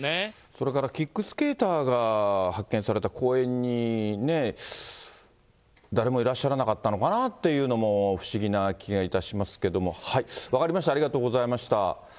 それからキックスケーターが発見された公園に、誰もいらっしゃらなかったのかなというのも不思議な気がいたしますけれども、分かりました、ありがとうございました。